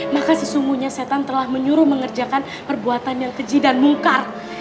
maka sesungguhnya setan telah menyuruh mengerjakan perbuatan yang keji dan mungkar